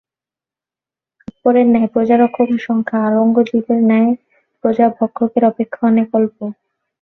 আকবরের ন্যায় প্রজারক্ষকের সংখ্যা আরঙ্গজীবের ন্যায় প্রজাভক্ষকের অপেক্ষা অনেক অল্প।